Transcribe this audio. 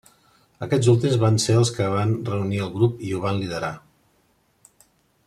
Aquests últims van ser els que van reunir al grup i ho van liderar.